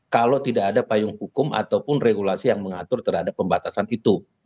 kalau tidak ada payung hukum ataupun regulasi yang mengatur terhadap pembatasan itu